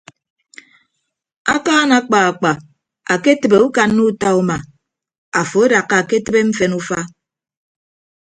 Akaan akpaakpa aketịbe ukanna uta uma afo adakka uke tịbe mfen ufa.